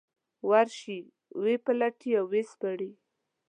ورشي ویې پلټي او ويې سپړي.